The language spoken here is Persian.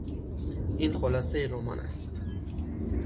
این خلاصه رمان است.